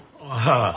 ああ。